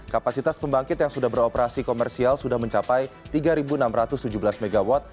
kapasitas pembangkit yang sudah beroperasi komersial sudah mencapai tiga enam ratus tujuh belas mw